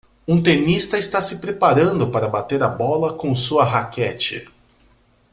Um tenista está se preparando para bater a bola com sua raquete